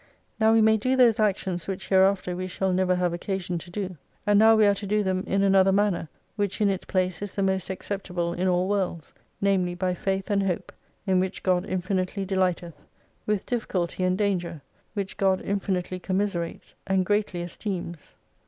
Now we may do those actions which hereafter we shall never have occasion to do. And now we are to do them in another manner, which in its place is the most acceptable in all worlds : namely, by faith and hope, in which God infinitely delighteth, with difficulty and danger, which God infinitely commiserates, and greatly esteems.